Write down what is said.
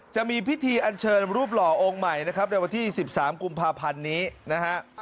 จะมีพิธีอันเชิญรูปหล่อองค์ใหม่นะครับในวันที่๑๓กุมภาพันธ์นี้นะฮะ